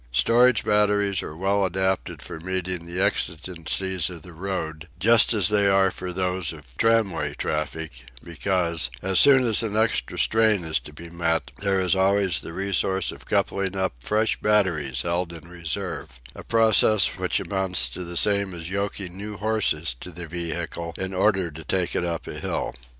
Storage batteries are well adapted for meeting the exigencies of the road, just as they are for those of tramway traffic, because, as soon as an extra strain is to be met, there is always the resource of coupling up fresh batteries held in reserve a process which amounts to the same as yoking new horses to the vehicle in order to take it up a hill.